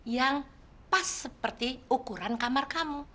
yang pas seperti ukuran kamar kamu